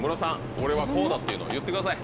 俺はこうだっていうのを言ってください。